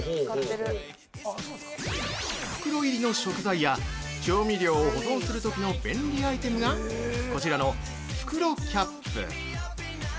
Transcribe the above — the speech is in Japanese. ◆袋入りの食材や調味料を保存するときの便利アイテムがこちらの「袋キャップ」。